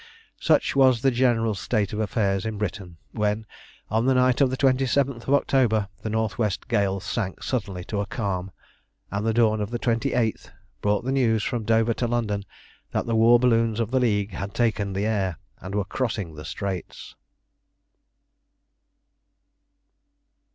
Such was the general state of affairs in Britain when, on the night of the 27th of October, the north west gales sank suddenly to a calm, and the dawn of the 28th brought the news from Dover to London that the war balloons of the League had taken the air, and were crossing the Straits.